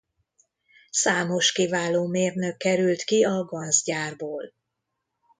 Számos kiváló mérnök került ki a Ganz gyárból.